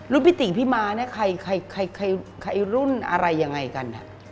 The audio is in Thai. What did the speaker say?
รุ่นพี่ตีพี่มาใครรุ่นอะไรยังไงกัน